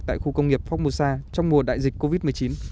tại khu công nghiệp phong mô sa trong mùa đại dịch covid một mươi chín